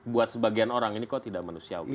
buat sebagian orang ini kok tidak manusiawi